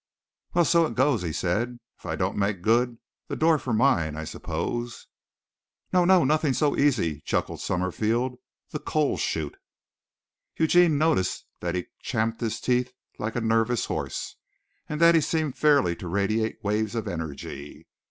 "Well, so it goes," he said. "If I don't make good, the door for mine, I suppose?" "No, no, nothing so easy," chuckled Summerfield; "the coal chute." Eugene noticed that he champed his teeth like a nervous horse, and that he seemed fairly to radiate waves of energy.